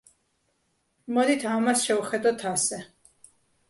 მოდით, ამას შევხედოთ ასე.